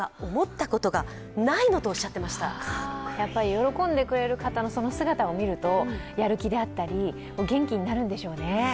喜んでくれる方の姿を見るとやる気であったり、元気になるんでしょうね。